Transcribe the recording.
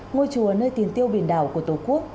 ngôi chùa nơi tiền tiêu biển đảo của tổ quốc